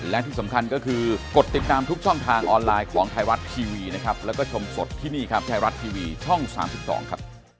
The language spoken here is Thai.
และที่สำคัญก็คือกดติดตามทุกช่องทางออนไลนะครับแล้วก็ชมสดที่นี่ครับไทรัดต์ทีวีช่อง๓๒ครับ